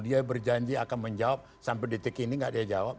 dia berjanji akan menjawab sampai detik ini gak dia jawab